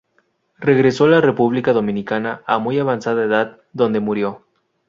Regresó a la República Dominicana a muy avanzada edad, donde murió.